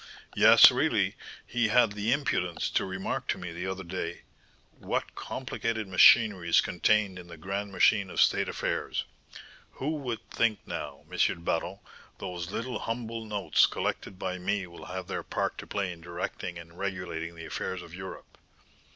Yes, really, he had the impudence to remark to me the other day, 'What complicated machinery is contained in the grand machine of state affairs! Who would think now, M. le Baron, those little humble notes collected by me will have their part to play in directing and regulating the affairs of Europe!'"